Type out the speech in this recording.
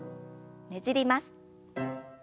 ねじります。